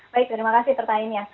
baik terima kasih pertanyaannya